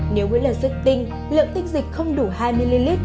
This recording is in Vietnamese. nếu với lần xuất tinh lượng tinh dịch không đủ hai ml